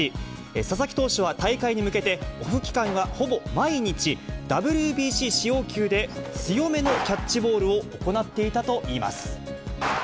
佐々木投手は大会に向けて、オフ期間はほぼ毎日、ＷＢＣ使用球で強めのキャッチボールを行っていたといいます。